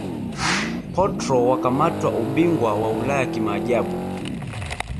Portro wakatwaa ubingwa wa Ulaya kimaajabu